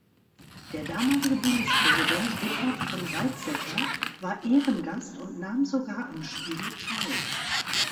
Der damalige Bundespräsident Richard von Weizsäcker war Ehrengast und nahm sogar am Spiel teil.